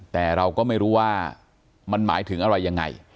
แต่เราก็ไม่รู้ว่ามันหมายถึงอะไรยังไง